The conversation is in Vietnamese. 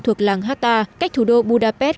thuộc làng hatta cách thủ đô budapest